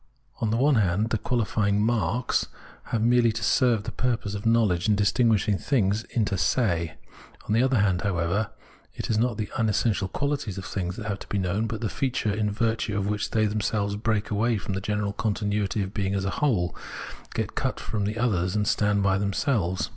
On the one hand, the qualifying " marks " have merely to serve the purpose of knowledge in distinguishing things mter se ; on the other hand, however, it is not the unessential quality of things that has to be known, but that feature in virtue of which they themselves break away from the general continuity of being as a whole, get cut off from others and stand by themselves.